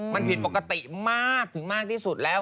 มันผิดปกติมากถึงมากที่สุดแล้ว